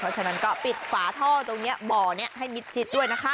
เพราะฉะนั้นก็ปิดฝาท่อตรงนี้บ่อนี้ให้มิดชิดด้วยนะคะ